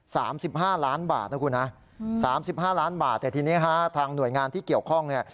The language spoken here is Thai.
สามสิบห้าล้านบาทนะคุณฮะอืมสามสิบห้าล้านบาทแต่ทีนี้ฮะทางหน่วยงานที่เกี่ยวข้องเนี่ย